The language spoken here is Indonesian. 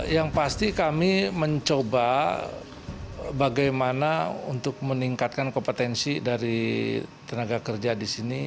yang pasti kami mencoba bagaimana untuk meningkatkan kompetensi dari tenaga kerja di sini